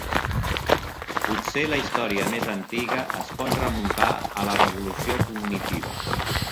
Potser la història més antiga es pot remuntar a la revolució cognitiva.